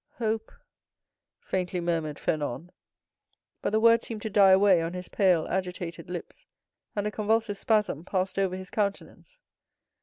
"Hope!" faintly murmured Fernand, but the word seemed to die away on his pale agitated lips, and a convulsive spasm passed over his countenance.